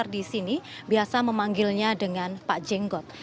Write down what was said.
di sini biasa memanggilnya dengan pak jenggot